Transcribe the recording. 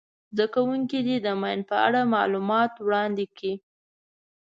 زده کوونکي دې د ماین په اړه معلومات وړاندي کړي.